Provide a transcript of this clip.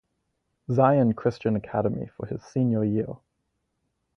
Zion Christian Academy for his senior year.